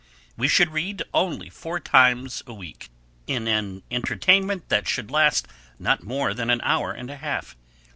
We should read only four times a week, in an entertainment that should not last more than an hour and a half.